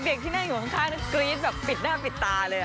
เด็กที่นั่งอยู่ข้างกรี๊ดแบบปิดหน้าปิดตาเลย